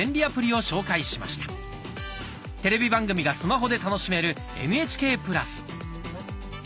テレビ番組がスマホで楽しめる「ＮＨＫプラス」。